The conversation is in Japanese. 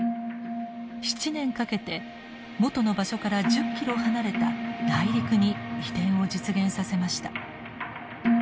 ７年かけて元の場所から１０ｋｍ離れた内陸に移転を実現させました。